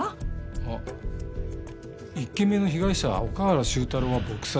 あっ１件目の被害者岡原周太郎は撲殺。